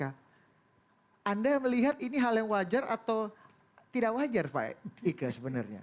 anda melihat ini hal yang wajar atau tidak wajar pak ika sebenarnya